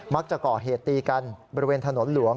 มักจะเกาะเหตุตีกันบริเวณถนนหลวง